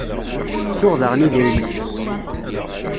Ttuɣ daɣen idrimen-inu.